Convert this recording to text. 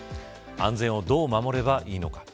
安全をどう守ればいいのか。